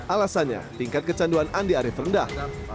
alasannya tingkat kecanduan andi arief rendah